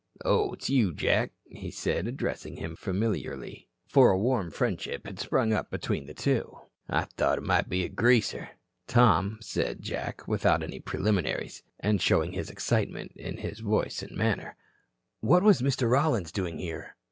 "Oh, it's you, Jack," he said, addressing him familiarly, for a warm friendship had sprung up between the two. "I thought it might be a Greaser." "Tom," said Jack, without any preliminaries, and showing his excitement in his voice and manner, "what was Mr. Rollins doing here?